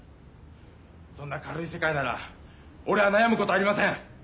そんな軽い世界なら俺は悩むことありません。